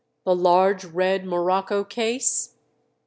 "The large red morocco case."